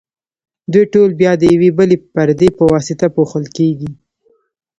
دوی ټول بیا د یوې بلې پردې په واسطه پوښل کیږي.